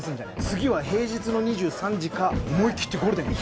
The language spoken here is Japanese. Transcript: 次は平日の２３時か思いきってゴールデン。